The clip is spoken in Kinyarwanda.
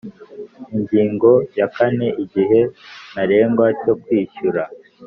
Ingingo ya kane Igihe ntarengwa cyo kwishyura